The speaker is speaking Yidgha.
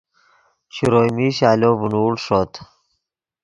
شروئے میش آلو ڤینوڑ ݰوت